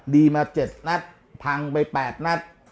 ดีมา๗นัดพังไป๘นัด